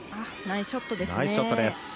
ナイスショットですね。